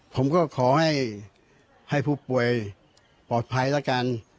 ผมก็ขอให้ผู้ป่วยปลอดภัยแล้วกัน